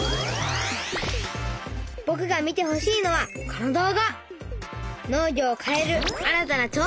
ぼくが見てほしいのはこの動画！